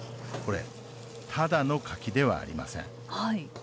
これただの柿ではありません。